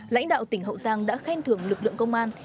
lãnh đạo tỉnh hậu giang đã khen thưởng lực lượng công an